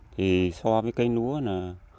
thì so với cây lúa là